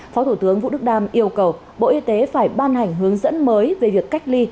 phó thủ tướng vũ đức đam yêu cầu bộ y tế phải ban hành hướng dẫn mới về việc cách ly